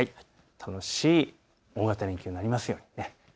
楽しい大型連休になりますように。